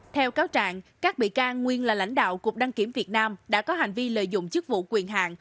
theo cáo trạng các bị can nguyên là lãnh đạo cục đăng kiểm việt nam đã có hành vi lợi dụng chức vụ quyền hạn